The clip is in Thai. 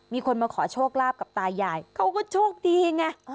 มีคนมาขอโชคลาภกับตายายเขาก็โชคดีไง